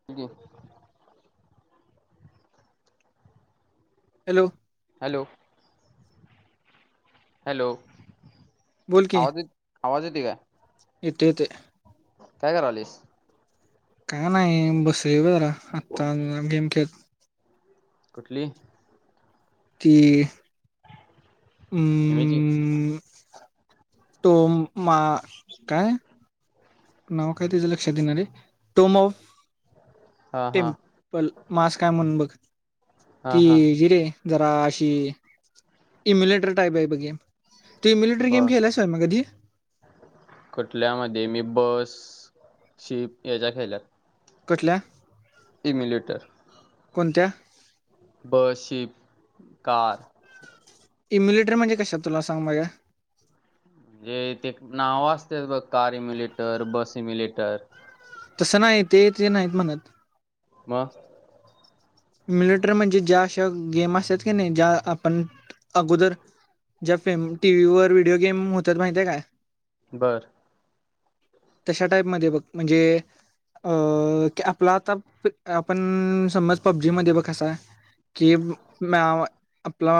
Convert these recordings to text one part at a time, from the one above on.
[unintelligible] Hello hello hello आवाज येत आवाज येतोय काय? येतोय येतोय. काय करालयलीस? काय नाही बसलोय जरा आत्ता गेम खेळत. कुठली? ती एमेची हम्म तो मा काय? नाव काय तेच लक्षात येना रे [unintelligible] हा हा टेम्पल मास्क हाय म्हणून बघ हा ती हा हि रे जरा अशी इम्युलेटर टाईप आहे बघ हे. तु ईम्युलेटर गेम खेळलायस मग कधी कुठल्यामधी मी बस, शिप हेच्या खेळल्यात. कुठल्या एमिलेटर कोणत्या बस, शीप, कार. इमुलेटर म्हणजे कशात तुला सांग माहित काय म्हणजे ते नावं असत्यात बघ कार इम्युलेटर, बस इम्युलेटर. तसं नाही ते ते नाहीत म्हणत मगं इम्युलेटर म्हणजे ज्या अशा गेम असतात की नाही ज्या आपण अगोदर ज्या फेम टीव्ही वर व्हिडिओ गेम होतात माहितीे ये काय बर तशा टाईपमध्ये बघ म्हणजे अ ते आपला आता आपण समज पब्जी मध्ये बघ कसा की म्याव आपला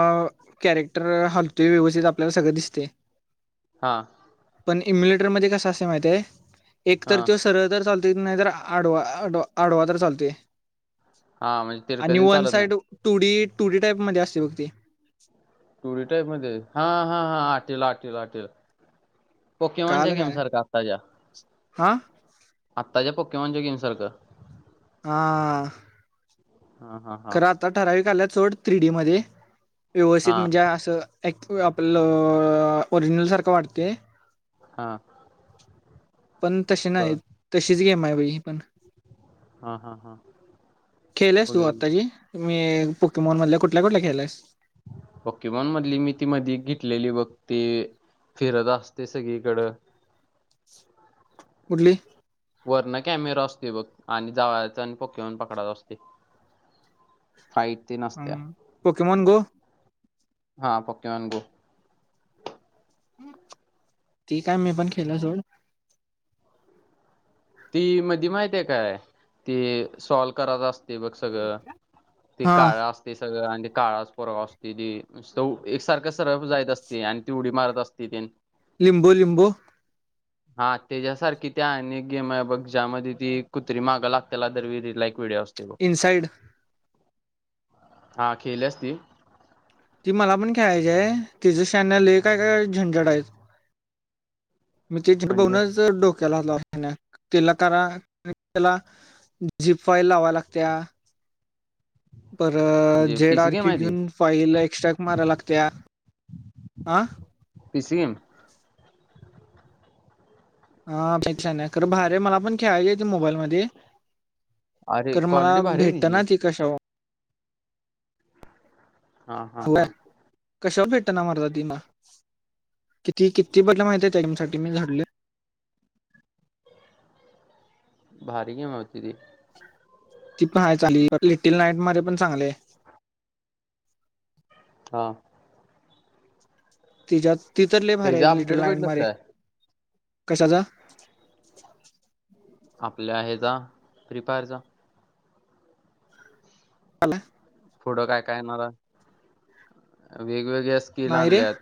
करेक्ट तर हलतय व्यवस्थित आपल्याला सगळं दिसतय. हा पण इम्युलेटरमध्ये कस असंतय माहितय एक हा तर तो सरळ तर चालत त नाही तर आडवा आड आडवा तर चालतोय. हा म्हज आणि one side two D two D type मध्ये असतय बघ ते. टू डी टाईप मध्ये आहे हा हा हा आटीवाल आटीवाल आटीवाल. कळालं काय हा आत्ताच्या पोकेमोन च्या गेम सारखं. हां हा हा हां आता ठराविक आल्यात सोड थ्रीडीमध्ये व्यवस्थित हा म्हणजे असं एक आपल् ओरिजनल सारखं वाटतय. हा पण तशि नाही बर तशीच गेम आहे ब ई पण हा हा हा खेळल्यास तू बघेल आत्ताची मी पोकेमोन मधले कुठल्या कुठल्या खेळलायस. पोकेमॉन मधली मी ती मधी एक घेतलेली बग ती फिरत असतय सगळीकड कुठली. वरण कॅमेरा असतोय बघ आणि जाव आणि जाऊन पोके मॉन पकडायच असते. फाईट तेन असत्या अं, पोकेमॉन गो हा पोके मॉन गो ती काय मी पण खेळलोय सोड ती मधी माहित आहे काय ती सॉल्व करायच असते ते बघ सगळं ते हा काळं असते सगळं आणि ते काळाच पोरगा असते ती सौ एकसारखं सरळ जायच असते आणि ती उडी मारत असते ते लिंबो लिंबो हा तेज्या सारखी त्या अनेक गेम आहे बघ ज्यामध्ये ती कुत्री मागं लागते त्याला दर विरी लाईक व्हिडिओ असतील. इनसाईड हा खेले असती. ती मला पण खेळायची आहे तेजे श्यानले काय काय झंझट आहेत. म ती तिकडं म्हणजे बघूनच डोक केला [unintelligible] तिला करा आणि त्याला जी फाई लावाया लागत्या. पर म्हणजे जेड पीसी आर गेम क्यू आहे ती घेऊन फाईल एक्स्ट्रॅक मारा लागत्या हा. पि सी एम हा हे छान आहे खरं भारे मला पण खेळायलीे ते मोबाईल मध्ये. अरे कर मला क्वालिटी भारी आहे भेटत्या तिची ना ती कशावर. हा हा हा [unintelligible] कशावर भेटते ना मर्दा ती मा किती किती [unintelligible] माहिती आहे त्यासाठी मी झाडले. भारी गेम होती ती. ती पण आहेय चाली लिटिल नाईट मध्ये पण चांगले. हा. तिज्या ति तर लय भारी आहे ह्याचा अपडेट लिटल लँड भेटलंस मारे काय कशाचा? आपल्या हे जा फ्री फायर चा. [unintelligible] पुढं काय काय येणारा वेगवेगळ्या स्किल नाही रे आणल्यात.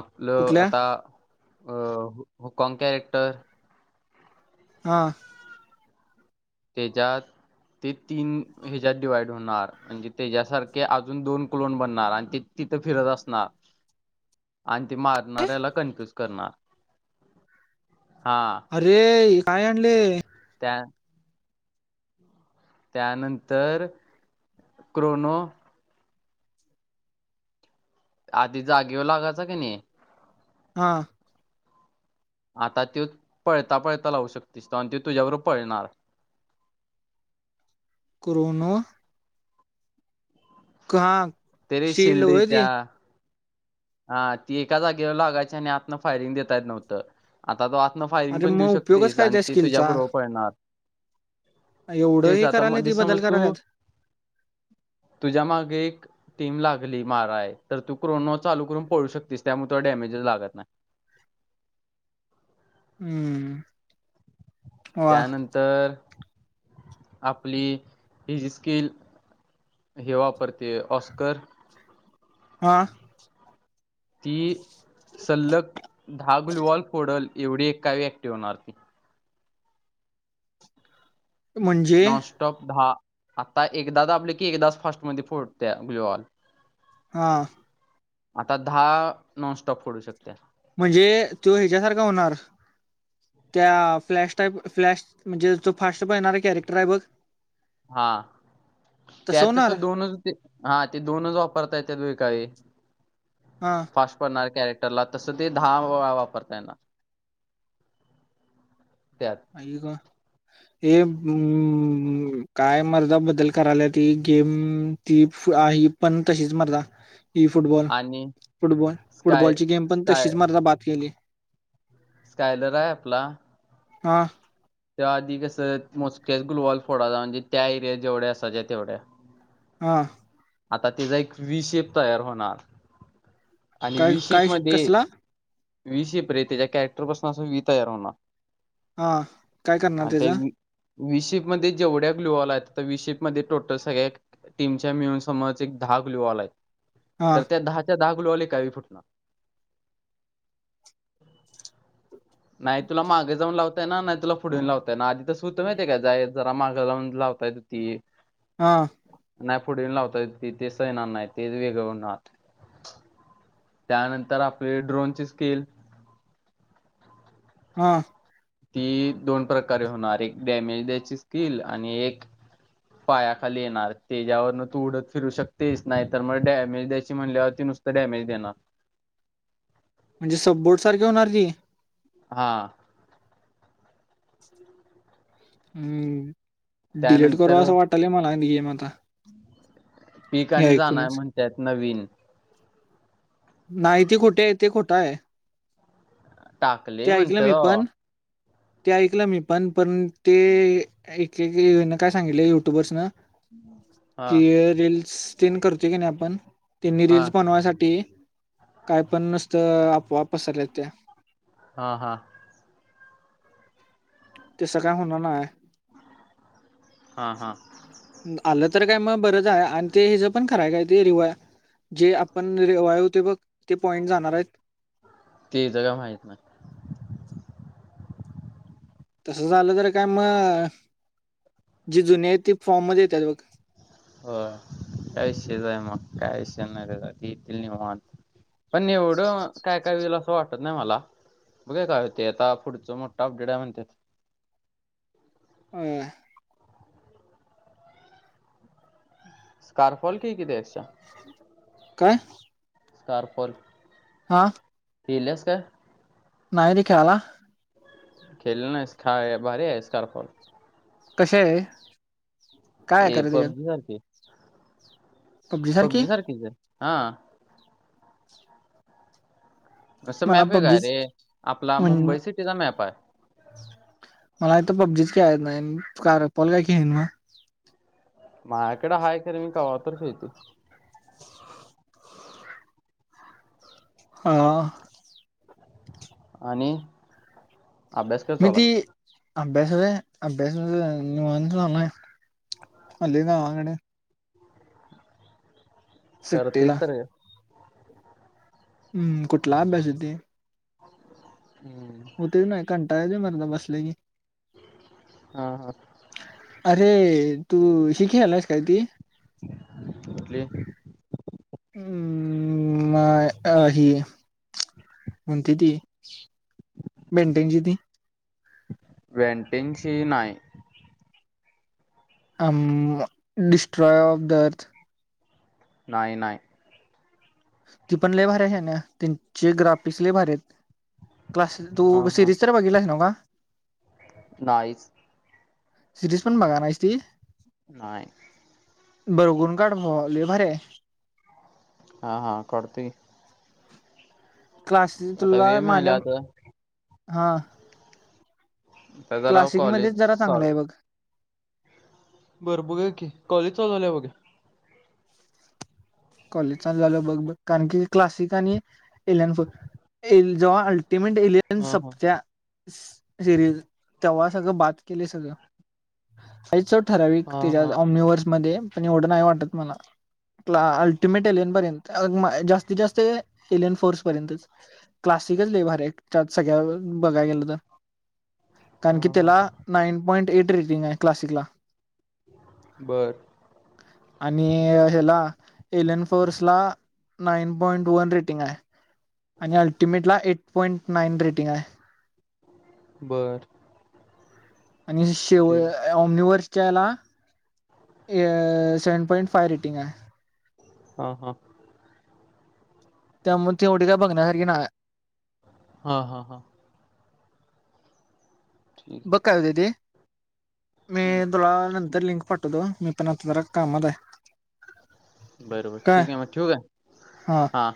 आपलं कुठल्या आता अ हो होकाँग कॅरेक्टर हां. तेच्यात ते तीन ह्याज्यात डिवाइड होणार म्हणजे त्याच्यासारखे अजून दोन क्लोन बनणार आणि ते तिथं फिरत असणार. आणि ते मारणार्याला कन्फ्युज करणार हा. अरे काय आणलेय? त्या त्यानंतर क्रोनो आदी जागेये लागायचा क नी. हा. आता त्यो पळता पळता लावू शकतेस [unintelligible] ती तुझ्या बरोबर पळणार आहे. क्रोनो का तेरी शिल्डीच्या हा ती एका जागेवर लागायची आणि आतन फायरिंग देत्या येत नव्हतं. आता तो आतनं फायरिंग अरे पण देऊ मग उपयोगच शकतेस काय आणि त्या ती स्किलचा तुझ्याबरोबर पळणार. एवढं तेच हे आता करायला मधी ती बदल समज तू करायल्यात तुझ्या मागे एक टीम लागली माराय तर तू क्रोनो चालू करून पळू शकतेस त्यामुळे त डॅमेजेस लागत नाही. हम्म. वा त्यानंतर आपली हि जी स्किल हे वापरते ऑस्कर हा. ती सल्लग धागुलवॉल फोडल एवढी एकावी ऍक्टिव होणार. म्हणजे नॉनस्टॉप दहा आता एकदा दाबल की आपले की एकदाच फार्स्टमध्ये फोडत्या [unintelligible] हा. आता दहा नॉनस्टॉप फोडू शकत्या. म्हणजे तो ह्याच्यासारखं होणार? त्या फ्लॅश टाईप फ्लॅश म्हणजे तो जो फास्ट पळणारा आहे कॅरेक्टर आहे बघ? हा तसं त्यात होणार कसं दोनच ते हा ते दोनच वापरताय येऱ्यात काय. हा. पा पडणार कॅरेक्टरला तस ते दहा वळा वापरता येनार त्यात. आ का हे काय मर्दा बदल करायल्यात. ती गेम ती आहे पण तशीच मर्दा ही फुटबॉल आणि फुटबॉल स्काय फुटबॉलची गेम पण स्काय तशीच मर्दा बाद केली? स्कायलर आहे आपला? हा. त्या आधी कसं मोजक्याच गुलवाल फोर्डाचा म्हणजे त्या एरियात जेवढ्या असायच्या तेवढ्या. हां. आता त्याचा एक विशेप तयार होणार आणि काय विशेप काय मध्ये कसला वी शिप रे त्याच्या कॅरेक्टर पासून अस वी तयार होणार. हा काय करणार तेज विशेपमध्ये जेवढ्या क्लुवाला आहेत तर विशेप मध्ये टोटल सगळ्या टीमच्या मिळून समज एक दहा गुलीवाॉल आलय हा तर त्या दहाच्या दहा गुलीवाॉल कावी फुटणार नाही तुला माग जाऊन लावताय ना नाही तुला फोढून लावताय ना आधी तर सुूत माहेय काय जरा मागा लावून लावता येत ती. [inaudible] हा. नाही पुढे येऊन लावता इथ तिथेच येणार नाही ते वेगळ होणार. त्यानंतर आपली ड्रोनची स्कील. हा. ती दोन प्रकारे होणार एक डॅमेजची स्किल आणि एक पायाखाली येणार त्याच्यावर न तू उडत फिरू शकतेच नाही तर मग डॅमेज द्याची म्हणल्यावरती नुस तर डॅमेज दे नाणार. म्हणजे सबबोर्ट सारखे होणार ती हा. हम्म डिलेट करू असं वाटलय मला गेम आता. पिक हे आणि जाणर ऐकूनच म्हणत्यात नवीन. नाही ते खोटे आहे ते खोटं आहे. हा ते ऐकलं मी पण ते ऐकलं मी पण पण ते एकन काय सांगितले युट्युबर्स न हा की रील्स. तेन करतोय की नाही आपण त्यांनी हा रील्स बनवायसाठी. काय पण नसतं अफवा पसरल्या त्या. हां हां. तस काय होणार नाय. हा हा. आलं तर काय मग बरंच आहे आणि ते हिचं पण खराय काय ते रिवाय जे आपण रेवाया होते बघ ते पॉईंट जाणार आहेत. तेच काय माहित नाय. तसं झालं तर काय मग जी जुने आहेत ती फॉर्म मध्ये येतात बघ. हो कायसेज आहे मग काहीसे नाही रे येतील नि [unintelligible] पण एव्हढं काय काय होईल असं वाटत नाही मला, बघे काय हो ते आता पुढचं मोठं अपडेट आहे म्हणतात. हम्म स्कारफॉल कि [unintelligible] काय? [unintelligible] अं लिहिल्यास का? नाहीयरी ख्याला [unintelligible] खेल ना भारी आहे स्कारफॉल [unintelligible] कशी आहे? काय आहे ए खरं त्याच्यात? पबजी सारखी पबजी सारखीच हे, हं असं मला मॅप आहे काय पबजीच रे आपला म्हण मुंबई सिटीचा मॅप आहे. मला इथ पबजीच खेळायची नाही कार पॉल काय खेळन म माझ्याकडे आहे तर मी कवा तर खेळतो. हं आणि अभ्यास कर म चालू ती आहे. अभ्यास व्हय, अभ्यास निवांत चालू आहे आलोय गावाकड. सुट्टीला करतयस तर हं हम्म कुठला अभ्यास होेतुय हम्म [unintelligible] होतच नाइ, कंटाळा येतोय बसल की हा हा अरे तू हि खेळालायस काय ती? कुठली [unintelligible] हम्म अ हि कोणती ती बेनटेन ती [unintelligible] वेंटिंगची नाय. Um destroy of the earth नाय नाय ती पण लय भारी आहे शान्या, त्यांचे ग्राफिक्स लय भारी आहेत. क्लास हां टू हां सिरीज तर बघितलाय नव्ह? नाहीच सिरीज पण बघाय नाहीस ती? नाय बगुन काढ म लय भारी हाय हां हां काढतोय क्लासी आता तुला वेळ मिळाला माझ्या आता हा त्याच नाव क्लासिक कॉलेज मध्येच जरा चा चांगलं आहे बघ बरं बघूया की, कॉलेज चालू झाल्यावर बघूया. कॉलेज चालू झाल्यावर बघ कारण की क्लासिक आणि एलीन ए जेव्हा अल्टिमेट एलिन हां हां सपत्या सिरीज तेव्हा सगळं बाद केलय सगळं [unintelligible] ठराविक हां तेज्या हां ओनिव्हर्स मध्ये पण एवढं नाही वाटत मला का अं ते मेटलन बरेन अं मा जास्तीत जास्त एलियन फोर्स पर्यंतचं. क्लासिकल लय भारी आहे त्यात सगळ्या बघाय गेलं तर. कारण की हां हां त्याला नाईन पॉइंट ऐट रेटिंग आहे क्लासिकला. बरं. आणि ह्याला एलेन फोर्स ला नाईन पॉइंट वन रेटिंग आहे आणि अल्टिमेटला ऐट पॉइंट नाईन रेटिंग आहे. बरं. आणि शेव ओमिवर्सच्या याला अं सेव्हन पॉईंट फाइव्ह रेटिंग आहे. हा- हा. त्यामुळे तेवढी काय बघण्या सारखी नाय. हा-हा-हा. ठीक आहे. बघ काय होतंय ते? मी हम्म, तुला नंतर लिंक पाठवतो, मी पण आता जरा कामात आहे. बर-बर काय ठीक आहे, मग ठेऊ का? हा.